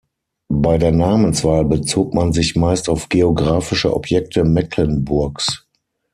Bei der Namenswahl bezog man sich meist auf geografische Objekte Mecklenburgs.